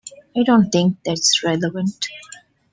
I don't think that's relevant.